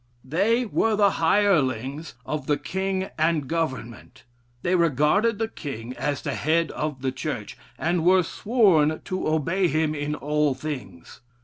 They were the hirelings of the king and government. They regarded the king as the head of the church, and were sworn to obey him in all things.